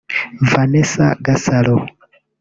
Vanessa Gasaro